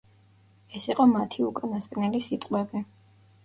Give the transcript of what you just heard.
ეს იყო მათი უკანასკნელი სიტყვები.